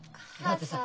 だってさ。